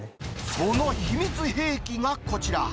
その秘密兵器がこちら。